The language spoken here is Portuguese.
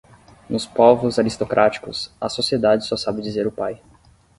Nos povos aristocráticos, a sociedade só sabe dizer o pai.